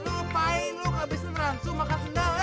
lu lupain lu abis itu meransu makan sendal ya